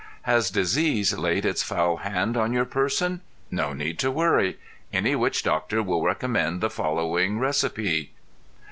Has disease laid its foul hand on your person? No need to worry; any witch doctor will recommend the following recipe.